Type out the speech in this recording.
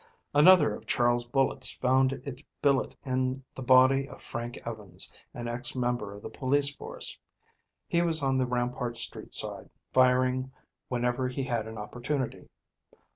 Another of Charles's bullets found its billet in the body of Frank Evans, an ex member of the police force. He was on the Rampart Street side firing whenever he had an opportunity.